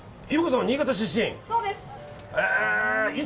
そうです。